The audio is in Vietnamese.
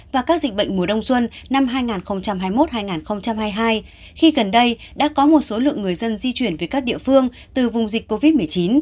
và các dịch bệnh mùa đông xuân năm hai nghìn hai mươi một hai nghìn hai mươi hai khi gần đây đã có một số lượng người dân di chuyển về các địa phương từ vùng dịch covid một mươi chín